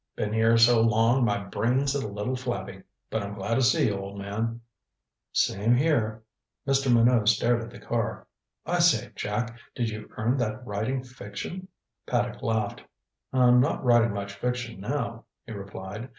"Been here so long my brain's a little flabby. But I'm glad to see you, old man." "Same here." Mr. Minot stared at the car. "I say, Jack, did you earn that writing fiction?" Paddock laughed. "I'm not writing much fiction now," he replied.